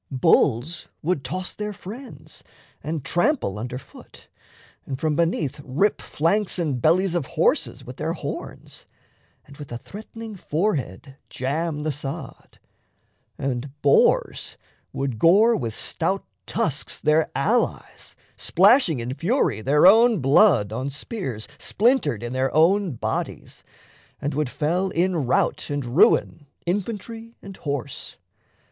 Bulls would toss their friends, And trample under foot, and from beneath Rip flanks and bellies of horses with their horns, And with a threat'ning forehead jam the sod; And boars would gore with stout tusks their allies, Splashing in fury their own blood on spears Splintered in their own bodies, and would fell In rout and ruin infantry and horse.